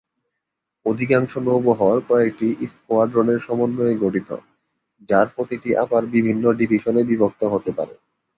অধিকাংশ নৌবহর কয়েকটি স্কোয়াড্রনের সমন্বয়ে গঠিত, যার প্রতিটি আবার বিভিন্ন ডিভিশনে বিভক্ত হতে পারে।